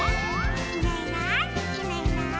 「いないいないいないいない」